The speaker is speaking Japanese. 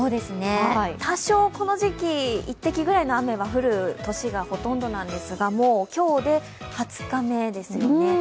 多少この時期、一滴ぐらいの雨が降る年がほとんどなんですが、今日で２０日目ですよね。